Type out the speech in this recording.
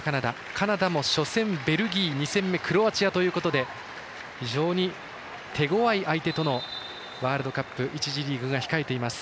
カナダも初戦、ベルギー２戦目クロアチアということで非常に手ごわい相手とのワールドカップ１次リーグが控えています。